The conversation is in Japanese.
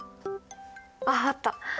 あっあった！